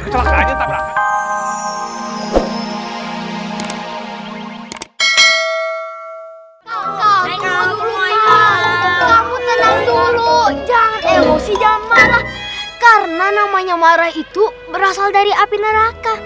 kamu tenang dulu jangan emosi jangan marah karena namanya marah itu berasal dari api neraka